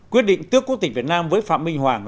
quyết định tước quốc tịch việt nam với phạm minh hoàng